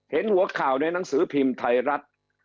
เห็นหัวข่าวในหนังสือพิมพ์ไทยรัฐ